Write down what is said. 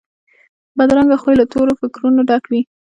بدرنګه خوی له تورو فکرونو ډک وي